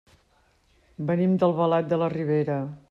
Venim d'Albalat de la Ribera.